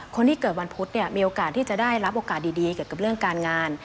คนที่เกิดวันพุธเนี่ยมีโอกาสที่จะได้รับโอกาสดีเกี่ยวกับเรื่องการงาน